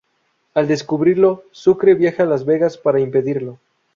Al descubrirlo, Sucre viaja a Las Vegas para impedirlo.